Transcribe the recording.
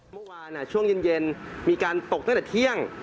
เมื่อวานช่วงเย็นมีการตกตั้งแต่เที่ยง